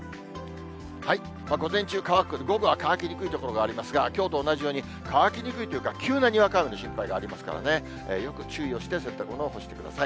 午前中、乾く、午後は乾きにくい所がありますが、きょうと同じように乾きにくいというか、急なにわか雨の心配がありますからね、よく注意をして洗濯物を干してください。